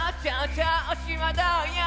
調子はどうよ？」